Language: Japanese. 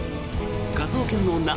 「科捜研の女」